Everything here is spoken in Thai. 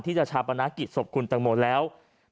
ที่จะชาปนาหรรกิจสบคุณแตงโมแล้ว